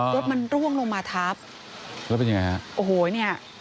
รถมันร่วงลงมาทับแล้วเป็นยังไงฮะโอ้โหเนี่ย